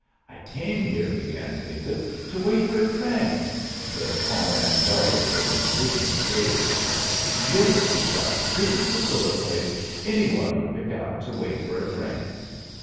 "I came here," began David, "to wait for a train " The tall man bellowed with indignant rage. "Yes," he shouted; "this is the sort of place any one would pick out to wait for a train!"